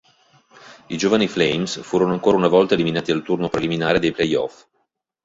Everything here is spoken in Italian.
I giovani Flames furono ancora una volta eliminati al turno preliminare dei playoff.